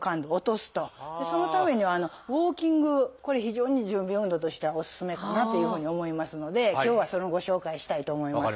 そのためにはウォーキングこれ非常に準備運動としてはおすすめかなというふうに思いますので今日はそのご紹介をしたいと思います。